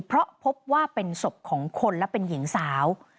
เพราะพบว่าเป็นศพของคนและเป็นหญิงสาว